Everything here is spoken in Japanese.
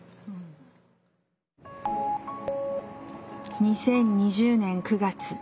２０２０年９月。